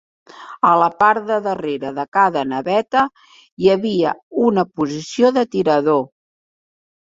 A la part de darrere de cada naveta hi havia una posició de tirador.